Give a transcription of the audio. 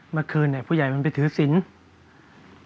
เมื่อคืนเนี่ยผู้ใหญ่มันไปถือศิลป์